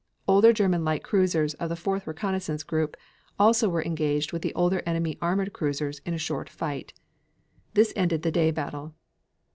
Older German light cruisers of the fourth reconnoissance group also were engaged with the older enemy armored cruisers in a short fight. This ended the day battle.